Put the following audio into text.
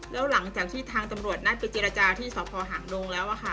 แล้วหลังจากที่ทางตำรวจนัดไปเจรจาที่สพหางดงแล้วค่ะ